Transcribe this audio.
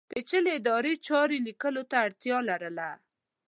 پېچلې ادارې چارې لیکلو ته اړتیا لرله.